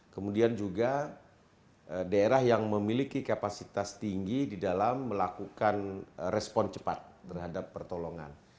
kemudian juga daerah yang memiliki kapasitas tinggi di dalam melakukan respon cepat terhadap pertolongan